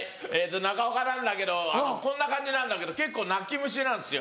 中岡なんだけどこんな感じなんだけど結構泣き虫なんですよ。